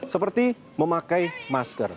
seperti memakai masker